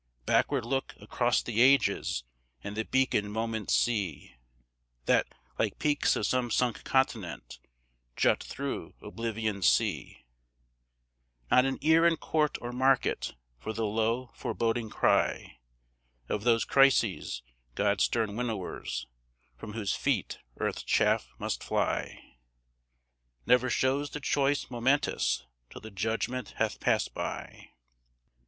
Backward look across the ages and the beacon moments see, That, like peaks of some sunk continent, jut through Oblivion's sea; Not an ear in court or market for the low foreboding cry Of those Crises, God's stern winnowers, from whose feet earth's chaff must fly; Never shows the choice momentous till the judgment hath passed by.